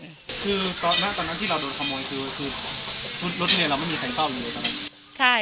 คือตอนนั้นที่เราโดนขโมยคือรถที่เรียนเราไม่มีแข่งก้าวเลยเลยใช่ไหม